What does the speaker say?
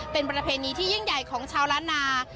เป็นประเพณีที่ยิ่งใหญ่ของชาวล้านนา